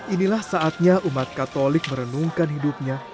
inilah saatnya umat katolik merenungkan hidupnya